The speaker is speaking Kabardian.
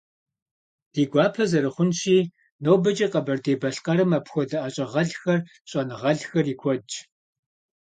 Ди гуапэ зэрыхъунщи, нобэкӀэ Къэбэрдей-Балъкъэрым апхуэдэ ӀэщӀагъэлӀхэр, щӀэныгъэлӀхэр и куэдщ.